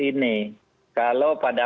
ini kalau pada